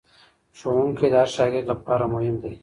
ښوونکی د هر شاګرد لپاره مهم دی.